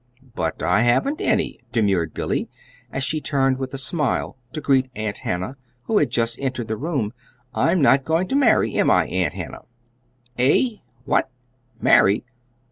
"But I haven't any," demurred Billy, as she turned with a smile to greet Aunt Hannah, who had just entered the room. "I'm not going to marry; am I, Aunt Hannah?" "Er what? Marry?